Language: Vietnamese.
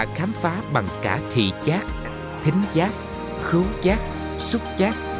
là khám phá bằng cả thị giác thính giác khứu giác xúc giác